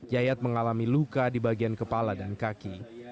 yayat mengalami luka di bagian kepala dan kaki